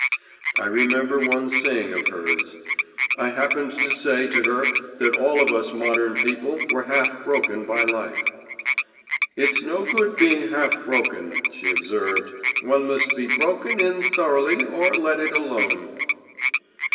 I remember one saying of hers; I happened to say to her that all of us modern people were half broken by life. 'It's no good being half broken,' she observed; 'one must be broken in thoroughly or let it alone.